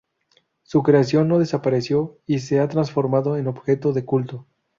Su creación no desapareció y se ha transformado en objeto de culto.